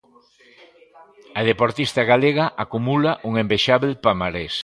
A deportista galega acumula un envexábel palmarés.